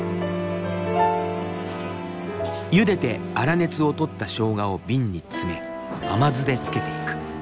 ゆでて粗熱を取ったしょうがを瓶に詰め甘酢で漬けていく。